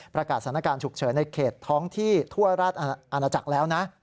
ประกาศสถานการณ์ฉุกเฉินในเขตท้องที่ทั่วราชอาณาจักรแล้วนะ